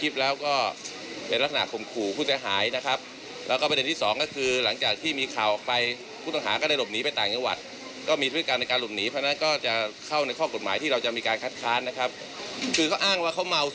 สรุปคือคืนนี้กาญจนานนอนคุกที่สนพโยธินนะคะ